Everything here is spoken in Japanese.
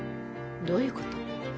どういうこと？